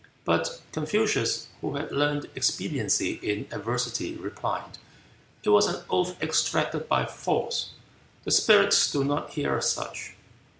But Confucius, who had learned expediency in adversity, replied, "It was an oath extracted by force. The spirits do not hear such."